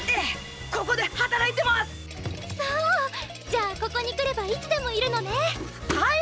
じゃあここに来ればいつでもいるのねはい！